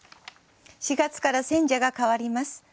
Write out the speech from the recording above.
４月から選者が替わります。